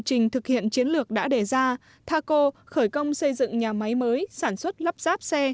trình thực hiện chiến lược đã đề ra taco khởi công xây dựng nhà máy mới sản xuất lắp ráp xe